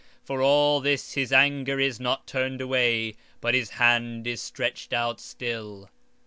For all this his anger is not turned away, but his hand is stretched out still.